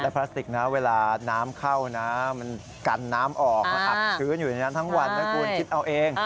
และพลาสติกเวลาน้ำเข้ากันน้ำออกอับชื้นอยู่ในนั้นทั้งวันนะคุณ